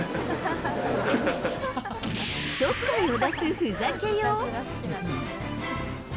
ちょっかいを出すふざけよう。